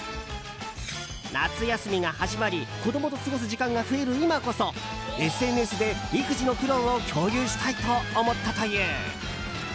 夏休みが始まり子供と過ごす時間が増える今こそＳＮＳで育児の苦労を共有したいと思ったという。